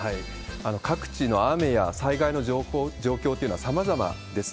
各地の雨や災害の状況というのはさまざまです。